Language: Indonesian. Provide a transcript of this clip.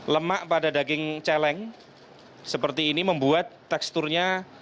lemak pada daging celeng seperti ini membuat teksturnya